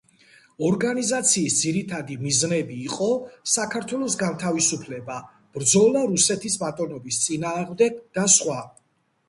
ორგანიზაციის ძირითადი მიზნები იყო საქართველოს განთავისუფლება, ბრძოლა რუსეთის ბატონობის წინააღმდეგ და სხვა.